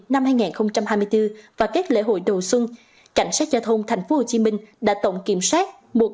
năm hai nghìn hai mươi bốn và các lễ hội đầu xuân cảnh sát giao thông tp hcm đã tổng kiểm soát